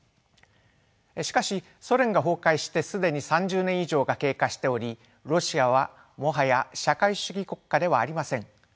しかしソ連が崩壊して既に３０年以上が経過しておりロシアはもはや社会主義国家ではありません。